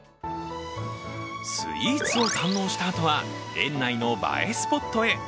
スイーツを堪能したあとは、園内の映えスポットへ。